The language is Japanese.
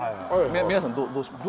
皆さんどうします？